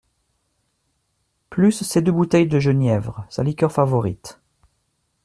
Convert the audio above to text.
Plus, ces deux bouteilles de genièvre… sa liqueur favorite.